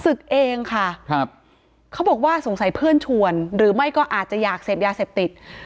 ศึกเองค่ะครับเขาบอกว่าสงสัยเพื่อนชวนหรือไม่ก็อาจจะอยากเสพยาเสพติด